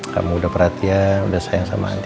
kamu udah perhatian udah sayang sama ayah